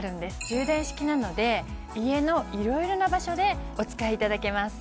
充電式なので家の色々な場所でお使いいただけます